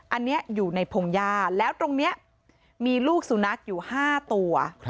อันนี้อยู่ในพงหญ้าแล้วตรงนี้มีลูกสุนัขอยู่๕ตัว